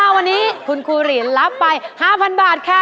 เอาล่ะวันนี้คุณครูลินรับไป๕๐๐๐บาทค่ะ